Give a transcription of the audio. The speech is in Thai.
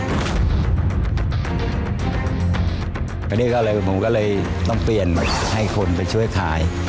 อันนี้ก็เลยผมก็เลยต้องเปลี่ยนให้คนไปช่วยขาย